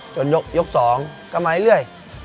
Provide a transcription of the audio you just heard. ยก๒ก็มาเรื่อย